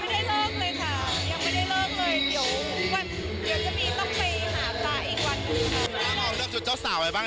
เดี๋ยวก่อน